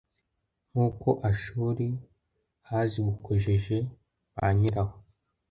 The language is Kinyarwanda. nk’uko Ashuri hazigukojeje banyiraho